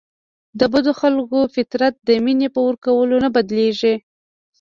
د بدو خلکو فطرت د مینې په ورکولو نه بدلیږي.